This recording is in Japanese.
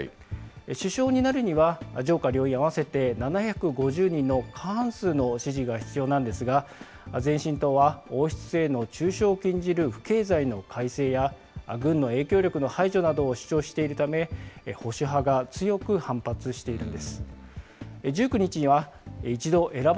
首相になるには、上下両院合わせて７５０人の過半数の支持が必要なんですが、前進党は王室への中傷を禁じる不敬罪の改正や軍の影響力の排除などを主張しているため、保守派が強く反発しているんです。